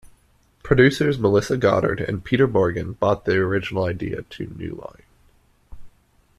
Producers Melissa Goddard and Peter Morgan bought the original idea to New Line.